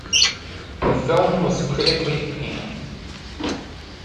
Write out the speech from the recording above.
The film was critically panned.